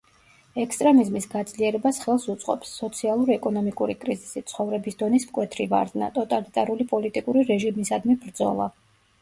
ექსტრემიზმის გაძლიერებას ხელს უწყობს: სოციალურ-ეკონომიკური კრიზისი, ცხოვრების დონის მკვეთრი ვარდნა, ტოტალიტარული პოლიტიკური რეჟიმისადმი ბრძოლა.